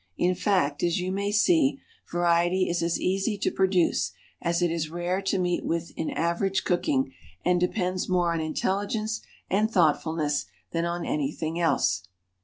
In fact, as you may see, variety is as easy to produce as it is rare to meet with in average cooking, and depends more on intelligence and thoughtfulness than on anything else.